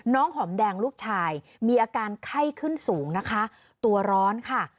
หอมแดงลูกชายมีอาการไข้ขึ้นสูงนะคะตัวร้อนค่ะ